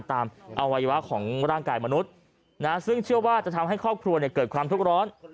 อวัยวะของร่างกายมนุษย์ซึ่งเชื่อว่าจะทำให้ครอบครัวเกิดความทุกข์ร้อน